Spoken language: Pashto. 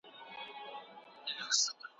تاسي کله له نړۍ سره تعامل کړی؟